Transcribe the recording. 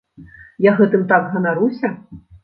Я гэтым так ганаруся!